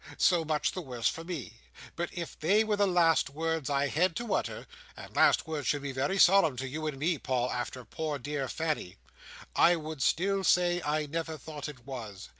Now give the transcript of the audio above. So much the worse for me. But if they were the last words I had to utter—and last words should be very solemn to you and me, Paul, after poor dear Fanny—I would still say I never thought it was.